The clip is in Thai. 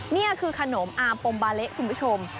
นี่คือขนมอามปมบาเละคุณผู้ชม